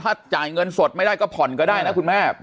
ถ้าจ่ายเงินสดไม่ได้ก็ผ่อนก็ได้นะคุณแม่